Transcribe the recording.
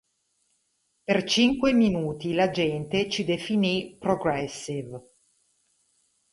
Per cinque minuti la gente ci definì "Progressive".